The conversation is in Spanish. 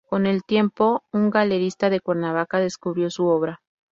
Con el tiempo, un galerista de Cuernavaca descubrió su obra.